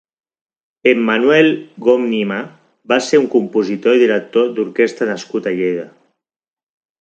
Emmanuel Gònima va ser un compositor i director d'orquestra nascut a Lleida.